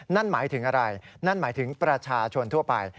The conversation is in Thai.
นั่นหมายถึงอะไรนั่นหมายถึงประชาชนทั่วไป